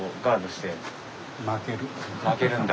負けるんだ。